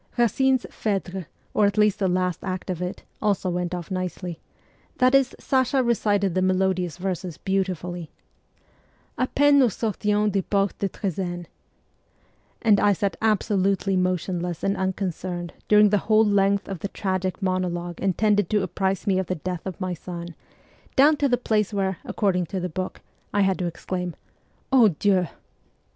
Kacine's ' Phedre/ or at least the last act of it, also went off nicely; that is, Sasha recited the melodious verses beautifully A peine nous sortions des portes de Trezene ; and I sat absolutely motionless and unconcerned during the whole length of the tragic monologue intended to apprise me of the death of my son, down to the place where, according to the book, I had to exclaim, ' dieux